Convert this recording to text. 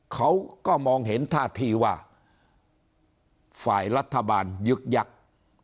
เขาก็มองเห็นท่าทีว่าฝ่ายรัฐบาลยึกยักษ์